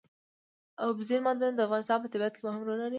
اوبزین معدنونه د افغانستان په طبیعت کې مهم رول لري.